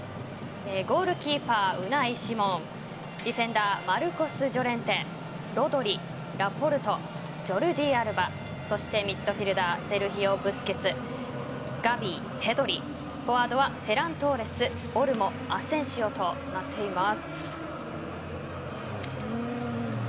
ゴールキーパーウナイシモンディフェンダーマルコスジョレンテロドリ、ラポルトジョルディアルバミッドフィールダーセルヒオ・ブスケツガヴィ、ペドリフォワードはフェラントーレスオルモアセンシオとなっています。